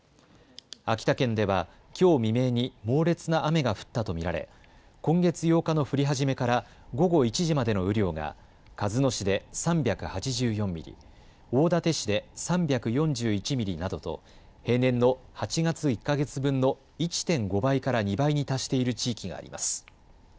秋田県ではきょう未明に猛烈な雨が降ったと見られ今月８日の降り始めから午後１時までの雨量が鹿角市で３８４ミリ、大館市で３４１ミリなどと平年の８月１か月分の１．５倍から２倍に達している地域があります。